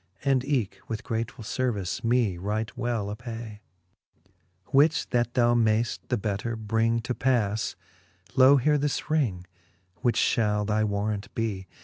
And eke with gratefull lervice me right well apay, XXXIV. Which that thou mayft the better bring to pas, Loe here this ring, which fhall thy warrant bee.